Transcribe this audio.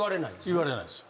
言われないですよ。